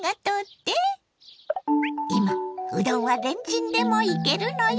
今うどんはレンチンでもいけるのよ！